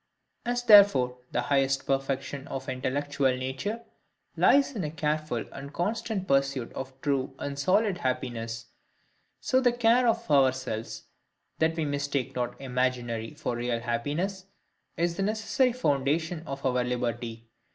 As therefore the highest perfection of intellectual nature lies in a careful and constant pursuit of true and solid happiness; so the care of ourselves, that we mistake not imaginary for real happiness, is the necessary foundation of our liberty.